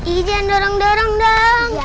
ih jangan dorong dorong dong